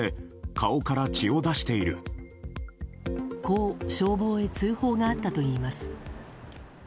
こう消防へ通報があったといいます。